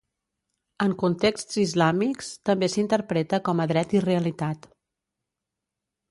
En contexts islàmics, també s'interpreta com a dret i realitat.